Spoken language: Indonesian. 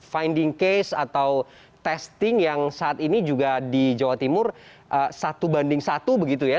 finding case atau testing yang saat ini juga di jawa timur satu banding satu begitu ya